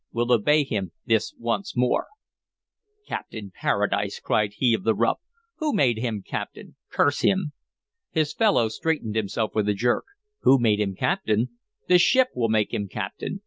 We'll obey him this once more'" "Captain Paradise!" cried he of the ruff. "Who made him captain? curse him!" His fellow straightened himself with a jerk. "Who made him captain? The ship will make him captain.